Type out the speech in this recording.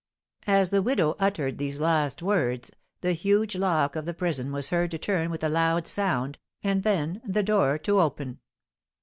As the widow uttered these last words, the huge lock of the prison was heard to turn with a loud sound, and then the door to open.